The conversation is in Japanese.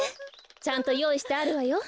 ちゃんとよういしてあるわよ。